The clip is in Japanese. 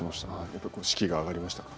やっぱ士気が上がりましたか？